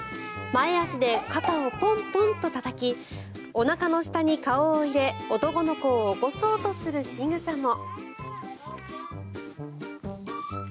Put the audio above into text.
前足で肩をポンポンとたたきおなかの下に顔を入れ男の子を起こそうとするしぐさも。